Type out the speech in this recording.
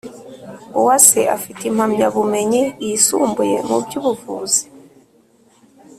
uwase afite impamya bumenyi yisumbuye mu by’ubuvuzi